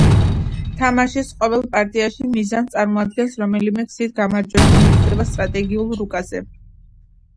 თამაშის ყოველ პარტიაში მიზანს წარმოადგენს რომელიმე გზით გამარჯვების მიღწევა სტრატეგიულ რუკაზე.